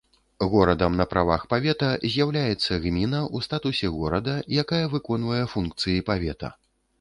Горадам на правах павета з'яўляецца гміна ў статусе горада, якая выконвае функцыі павета.